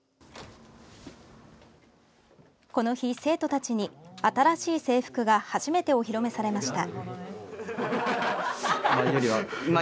この日、生徒たちに新しい制服が初めてお披露目されました。